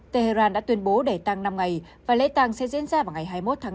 tehran đã tuyên bố để tăng năm ngày và lễ tăng sẽ diễn ra vào ngày hai mươi một tháng bốn